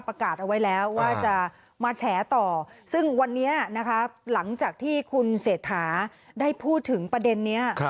ประกาศเอาไว้แล้วว่าจะมาแฉต่อซึ่งวันนี้นะคะหลังจากที่คุณเศรษฐาได้พูดถึงประเด็นนี้